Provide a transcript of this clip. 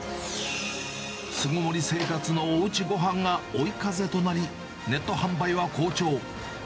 巣ごもり生活のおうちごはんが追い風となり、ネット販売は好調。